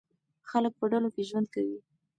خلک په ډلو کې ژوند کوي.